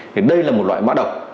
thì đây là một loại mã đọc